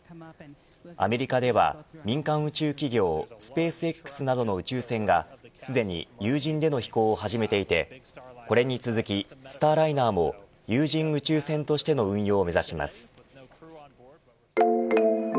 アメリカでは、民間宇宙企業スペースＸなどの宇宙船がすでに有人での飛行を始めていてこれに続き、スターライナーも有人宇宙船としての運用を目指します。